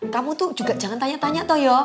kamu tuh juga jangan tanya tanya toh yuk